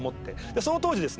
その当時ですね